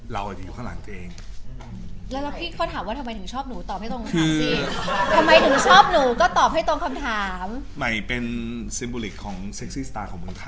เราอาจจะอยู่ข้างหลังตัวเอง